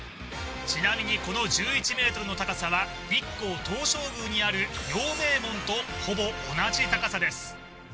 ちなみにこの１１ｍの高さは日光東照宮にある陽明門とほぼ同じ高さです